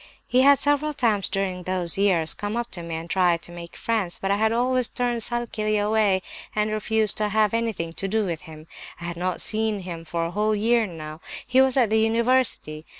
He had several times during those years come up to me and tried to make friends; but I had always turned sulkily away and refused to have anything to do with him. I had not seen him for a whole year now; he was at the university.